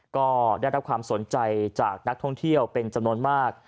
ก็ได้รับความสนใจจากนักท่องเที่ยวเป็นจำนวนมาก